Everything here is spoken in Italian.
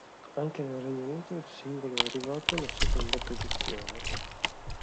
Anche nel Regno Unito il singolo è arrivato alla seconda posizione.